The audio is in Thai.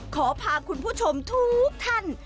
ขอพาคุณผู้ชมทุกท่าน